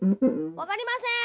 「わかりません」